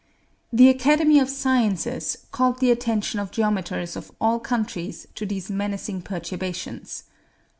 The Academy of Sciences called the attention of geometers of all countries to these menacing perturbations.